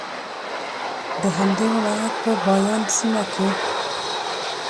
د همدې ولایت په بایان سیمه کې